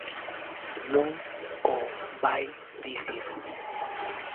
Non o vai dicir.